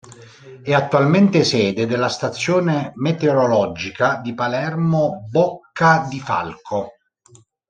È attualmente sede della stazione meteorologica di Palermo Boccadifalco.